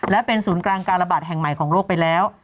และเป็นศูนย์กลางการระบาดแห่งใหม่ของโลกไปแล้ว